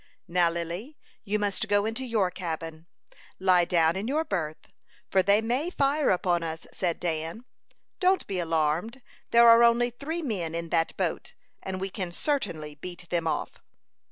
"Now, Lily, you must go into your cabin. Lie down in your berth, for they may fire upon us," said Dan. "Don't be alarmed; there are only three men in that boat, and we can certainly beat them off."